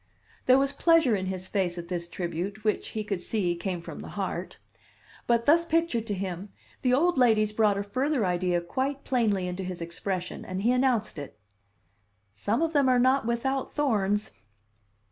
There was pleasure in his face at this tribute, which, he could see, came from the heart. But, thus pictured to him, the old ladies brought a further idea quite plainly into his expression; and he announced it. "Some of them are not without thorns."